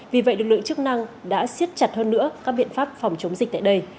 vì vậy lực lượng chức năng đã siết chặt hơn nữa các biện pháp phòng chống dịch tại đây